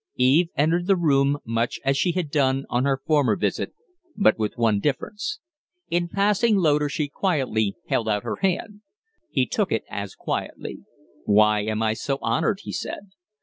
Eve entered the room much as she had done on her former visit, but with one difference. In passing Loder she quietly held out her hand. He took it as quietly. "Why am I so honored?" he said.